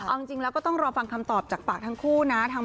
เอาจริงแล้วก็ต้องรอฟังคำตอบจากปากทั้งคู่นะ